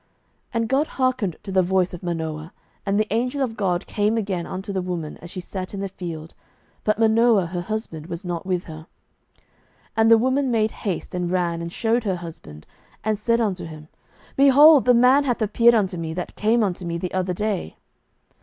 07:013:009 And God hearkened to the voice of Manoah; and the angel of God came again unto the woman as she sat in the field: but Manoah her husband was not with her. 07:013:010 And the woman made haste, and ran, and shewed her husband, and said unto him, Behold, the man hath appeared unto me, that came unto me the other day.